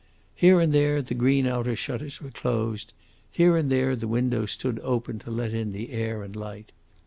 Here and there the green outer shutters were closed; here and there the windows stood open to let in the air and light.